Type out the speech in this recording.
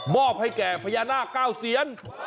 อบให้แก่พญานาค๙เซียน